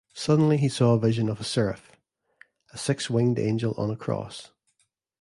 Suddenly he saw a vision of a seraph, a six-winged angel on a cross.